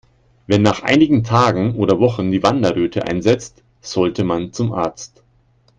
Wenn nach einigen Tagen oder Wochen die Wanderröte einsetzt, sollte man zum Arzt.